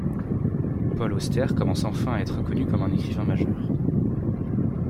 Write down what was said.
Paul Auster commence enfin à être reconnu comme un écrivain majeur.